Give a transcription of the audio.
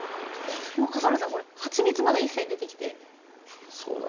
でも笠原さんこれはちみつまだ一切出てきてない。